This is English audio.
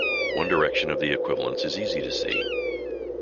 One direction of the equivalence is easy to see.